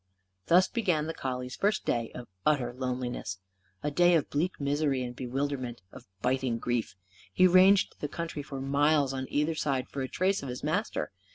Thus began the collie's first day of utter loneliness; a day of bleak misery and bewilderment, of biting grief. He ranged the country for miles on either side for a trace of his master.